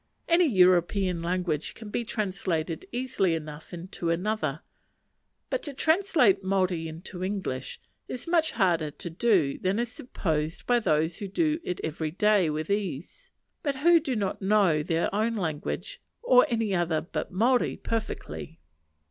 Any European language can be translated easily enough into any other; but to translate Maori into English is much harder to do than is supposed by those who do it every day with ease; but who do not know their own language, or any other but Maori, perfectly.